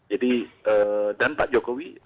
jadi dan pak jokowi